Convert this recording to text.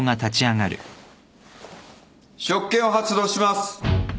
職権を発動します。